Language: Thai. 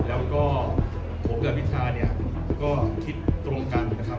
แล้วก็ผมกับมิชาเนี่ยก็คิดตรงกันนะครับ